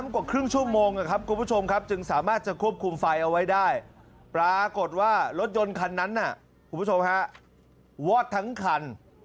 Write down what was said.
ควบคุมไฟเอาไว้ได้ปรากฏว่ารถยนต์คันนั้นคุณผู้ชมครับวอดทั้งคัน